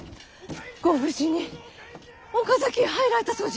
ご無事に岡崎へ入られたそうじゃ。